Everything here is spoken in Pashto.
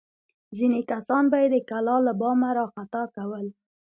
ځینې کسان به یې د کلا له بامه راخطا کول.